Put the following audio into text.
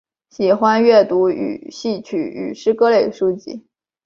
喜欢阅读戏曲与诗歌类书籍。